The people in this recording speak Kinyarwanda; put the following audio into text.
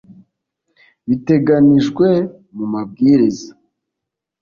biteganijwe mu mabwiriza